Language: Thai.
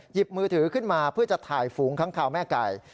หยิบมือถือขึ้นมาเพื่อจะถ่ายฝูงค้างคาวแม่ไก่